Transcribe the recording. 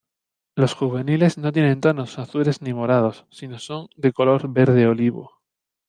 Los juveniles no tienen tonos azules ni morados, sino son de color verde olivo.